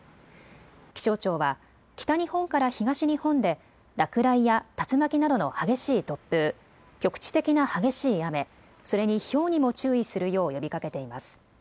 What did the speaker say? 気象庁は北日本から東日本で落雷や竜巻などの激しい突風、局地的な激しい雨それに、ひょうにも注意するよう呼びかけています。